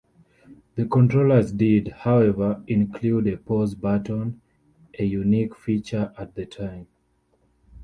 The controllers did, however, include a pause button, a unique feature at the time.